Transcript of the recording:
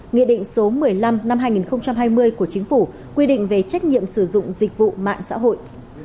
nghị định số một mươi năm năm hai nghìn hai mươi của chính phủ quy định về trách nhiệm sử dụng dịch vụ mạng xã hội